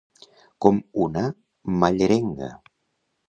Com una mallerenga.